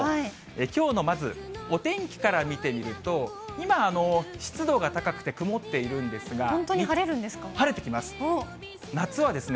きょうのまず、お天気から見てみると、今、湿度が高くて曇ってい本当に晴れるんですか。